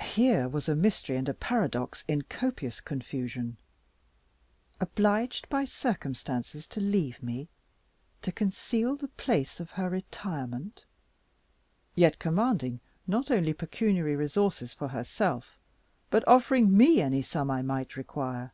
Here was mystery and paradox in copious confusion. "Obliged by circumstances to leave me to conceal the place of her retirement" yet commanding not only pecuniary resources for herself, but offering me any sum I might require!